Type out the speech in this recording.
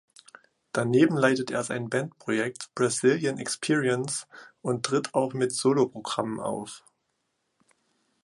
Daneben leitet er sein Bandprojekt "Brazilian Experience" und tritt auch mit Solo-Programmen auf.